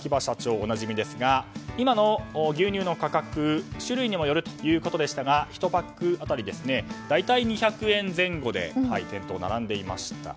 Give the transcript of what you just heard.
おなじみですが、今の牛乳の価格種類にもよるそうですが１パック当たり大体２００円前後で店頭に並んでいました。